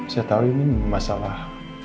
saya tau ini masalah